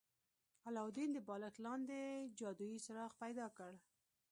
علاوالدین د بالښت لاندې جادويي څراغ پیدا کړ.